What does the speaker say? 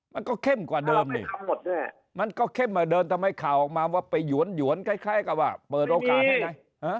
มันก็เข้มกว่าเดิมนี่มันก็เข้มกว่าเดิมทำไมข่าวออกมาว่าไปหยวนคล้ายกับว่าเปิดโอกาสให้ไง